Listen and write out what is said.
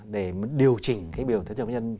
để điều chỉnh cái biểu thuế thu nhập cá nhân